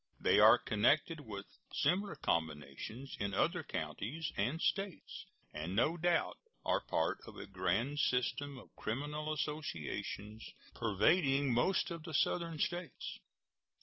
They are connected with similar combinations in other counties and States, and no doubt are part of a grand system of criminal associations pervading most of the Southern States.